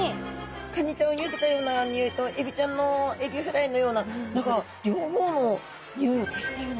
カニちゃんをゆでたような匂いとエビちゃんのエビフライのような何か両方の匂いを足したような。